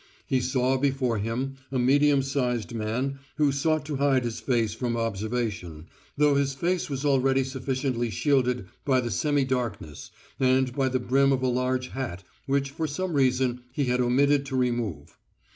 He saw before him a medium sized man who sought to hide his face from observation, though this face was already sufficiently shielded by the semi darkness and by the brim of a large hat which for some reason he had omitted to remove.